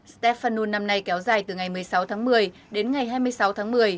step fanun năm nay kéo dài từ ngày một mươi sáu tháng một mươi đến ngày hai mươi sáu tháng một mươi